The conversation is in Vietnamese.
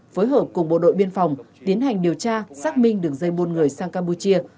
phối hợp cùng bộ đội biên phòng tiến hành điều tra xác minh đường dây buôn người sang campuchia